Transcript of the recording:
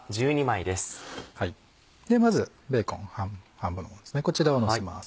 ではまずベーコン半分の方こちらをのせます。